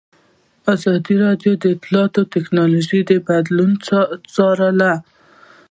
ازادي راډیو د اطلاعاتی تکنالوژي بدلونونه څارلي.